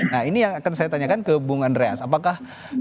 nah ini yang akan saya tanyakan ke bung andreas apakah